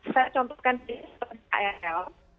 saya contohkan ini seperti krl